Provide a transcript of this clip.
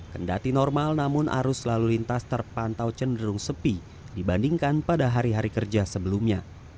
kendati normal namun arus lalu lintas terpantau cenderung sepi dibandingkan pada hari hari kerja sebelumnya